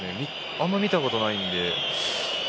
あんまり見たことないので。